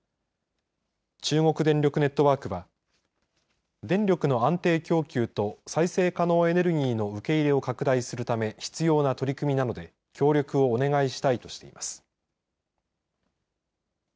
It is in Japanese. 中国電力ネットワークは電力の安定供給と再生可能エネルギーの受け入れを拡大するため必要な取り組みなので協力をお願いしたいとしています。